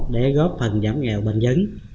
để góp phần giảm nghèo bền vững